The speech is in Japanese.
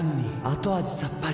後味さっぱり．．．